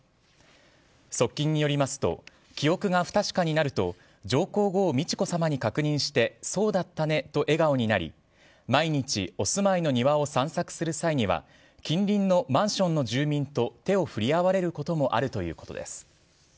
側近によりますと記憶が不確かになると上皇后・美智子さまに確認してそうだったねと笑顔になり毎日、お住まいの庭を散策する際には近隣のマンションの住人と手を振り合われることもあるということです。